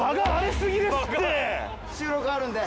収録あるんで。